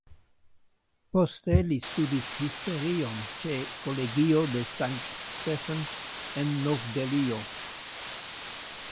Poste li studis historion ĉe Kolegio de Sankt-Stephen en Nov-Delhio.